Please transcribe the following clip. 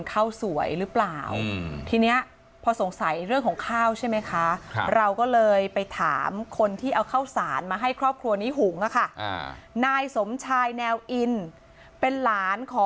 เข้าสวยหรือเปล่าทีนี้ว่าสงสัยเรื่องของข้าวใช่ไหมคะเรา